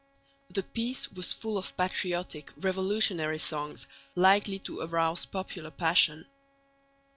The piece was full of patriotic, revolutionary songs likely to arouse popular passion.